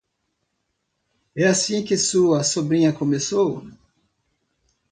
É assim que sua sobrinha começou?